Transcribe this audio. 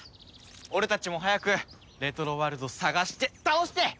俺たちも早くレトロワルド捜して倒して！